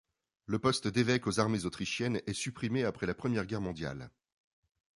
Le poste d'évêque aux armées autrichiennes est supprimé après la Première Guerre mondiale.